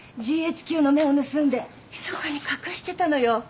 ＧＨＱの目を盗んでひそかに隠してたのよ。